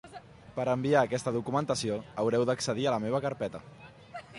Per enviar aquesta documentació haureu d'accedir a la Meva carpeta.